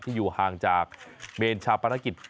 ที่จังหวัดอุตรดิษฐ์บริเวณสวนหลังบ้านต่อไปครับ